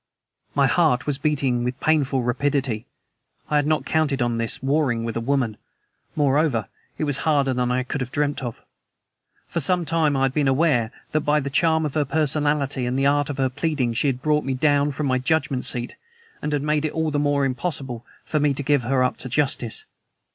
My heart was beating with painful rapidity. I had not counted on this warring with a woman; moreover, it was harder than I could have dreamt of. For some time I had been aware that by the charm of her personality and the art of her pleading she had brought me down from my judgment seat had made it all but impossible for me to give her up to justice.